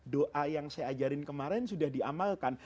doa yang saya ajarin kemarin sudah diamalkan